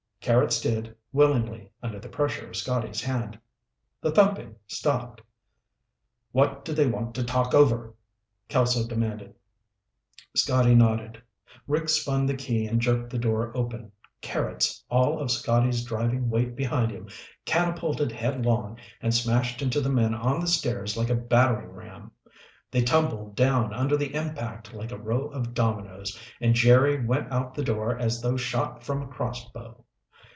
Carrots did, willingly, under the pressure of Scotty's hand. The thumping stopped. "What do they want to talk over?" Kelso demanded. Scotty nodded. Rick spun the key and jerked the door open. Carrots, all of Scotty's driving weight behind him, catapulted headlong and smashed into the men on the stairs like a battering ram. They tumbled down under the impact like a row of dominoes, and Jerry went out the door as though shot from a crossbow.